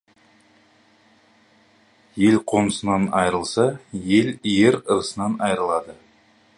Ел қонысынан айырылса, ер ырысынан айырылады.